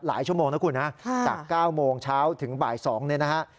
ชั่วโมงนะคุณฮะจาก๙โมงเช้าถึงบ่าย๒เนี่ยนะฮะ